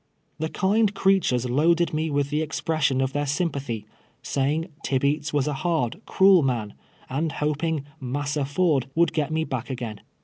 Tlie kind creatures loaded me M'ith the expression of their sympathy — saying, Tibeats was a hard, cruel man, and hoping " Massa Ford" would get me back again.